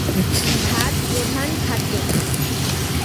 ভাত প্রধান খাদ্য।